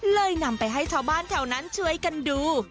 นำไปให้ชาวบ้านแถวนั้นช่วยกันดู